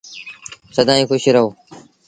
سدائيٚݩ کُش رهو۔